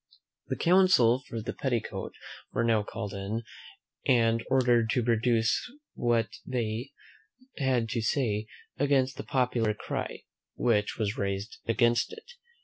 The counsel for the petticoat were now called in, and ordered to produce what they had to say against the popular cry which was raised against it.